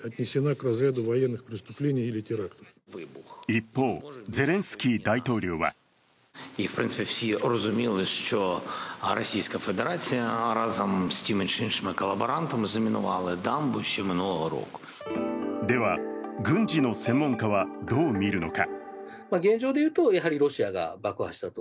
一方、ゼレンスキー大統領はでは、軍事の専門家はどう見るのか。